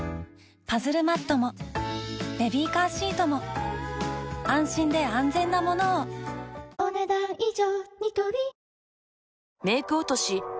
パズルマットもベビーカーシートも安心で安全なものをお、ねだん以上。